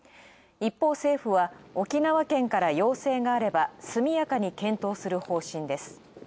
一方、政府は沖縄県から要請があれば速やかに検討する方針です。